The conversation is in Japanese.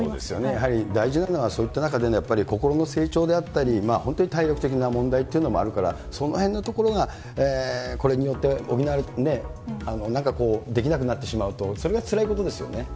やはり大事なのはそういった中でのやっぱり心の成長であったり、本当に体力的な問題っていうのもあるから、そのへんのところがこれによってなんかこう、できなくなってしまそうですね。